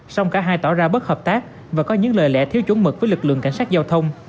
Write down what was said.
song cả hai tỏ ra bất hợp tác và có những lời lẽ thiếu chuẩn mực với lực lượng cảnh sát giao thông